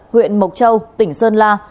huyện mộc châu tỉnh sơn la